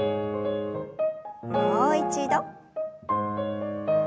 もう一度。